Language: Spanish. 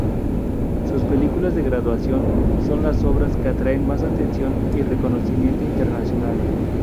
Sus películas de graduación son las obras que atraen más atención y reconocimiento internacional.